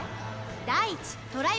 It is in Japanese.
第一トライ